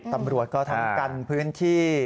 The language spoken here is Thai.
ตำรวจก็ทั้งกันพื้นที่